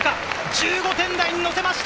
１５点台に乗せました。